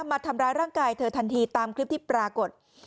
มาทำร้ายร่างกายเธอทันทีตามคลิปที่ปรากฏ